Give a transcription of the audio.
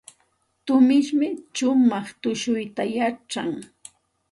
Tumishmi shumaq tushuyta yachan.